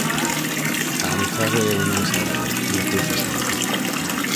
A amizade é un nome sagrado, unha cousa santa.